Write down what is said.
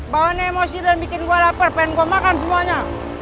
bawanya emosi dan bikin gue lapar pengen gue makan semuanya